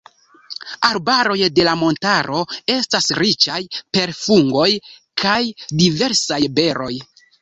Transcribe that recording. Arbaroj de la montaro estas riĉaj per fungoj kaj diversaj beroj.